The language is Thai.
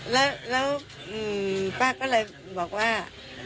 แล้วป้าก็เลยบอกว่า